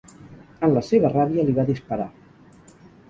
En la seva ràbia li va disparar.